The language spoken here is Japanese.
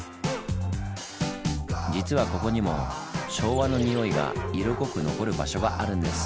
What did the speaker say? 実はここにも昭和のにおいが色濃く残る場所があるんです。